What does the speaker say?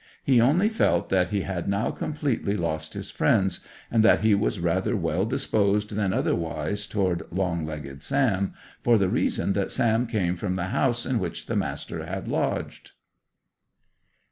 He only felt that he had now completely lost his friends, and that he was rather well disposed than otherwise toward long legged Sam, for the reason that Sam came from the house in which the Master had lodged.